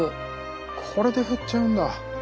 これで減っちゃうんだ！